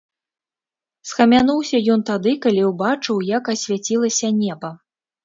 Схамянуўся ён тады, калі ўбачыў, як асвяцілася неба.